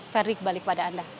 ferdie kembali kepada anda